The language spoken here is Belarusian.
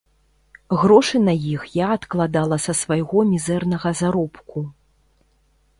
Грошы на іх я адкладала са свайго мізэрнага заробку.